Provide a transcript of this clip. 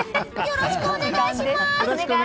よろしくお願いします！